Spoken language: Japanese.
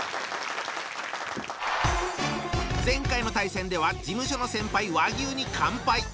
前回の対戦では事務所の先輩和牛に完敗。